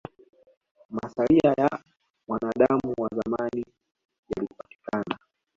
Masalia ya mwanadamu wa zamani yalipatikana